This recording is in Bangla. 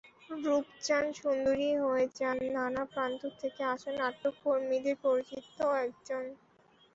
রূপচান সুন্দরী হয়ে যান নানা প্রান্ত থেকে আসা নাট্যকর্মীদের পরিচিত একজন।